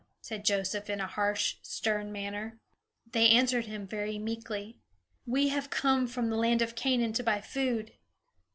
said Joseph, in a harsh, stern manner. They answered him very meekly: "We have come from the land of Canaan to buy food."